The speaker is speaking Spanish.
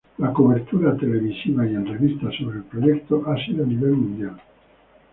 La cobertura televisiva y en revistas sobre el proyecto ha sido a nivel mundial.